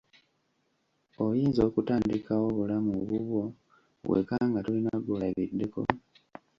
Oyinza okutandikawo obulamu obubwo wekka nga tolina gw'olabiddeko?